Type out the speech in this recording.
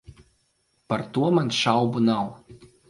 Par to man šaubu nav.